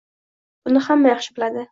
Buni hamma yaxshi biladi